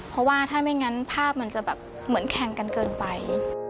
เพราะว่าถ้าไม่งั้นภาพมันจะแบบเหมือนแข่งกันเกินไป